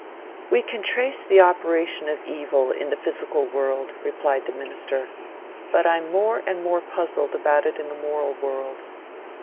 "We can trace the operation of evil in the physical world," replied the minister, "but I'm more and more puzzled about it in the moral world.